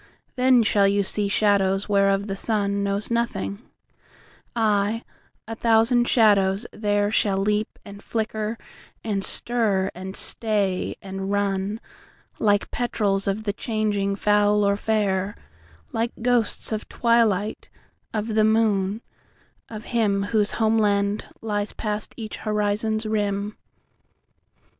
Then shall you see shadows whereof the sun, Knows nothing—aye, a thousand shadows thereShall leap and flicker and stir and stay and run, Like petrels of the changing foul or fair; Like ghosts of twilight, of the moon, of himWhose homeland lies past each horizon's rim.